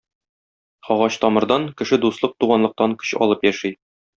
Агач тамырдан, кеше дуслык-туганлыктан көч алып яши.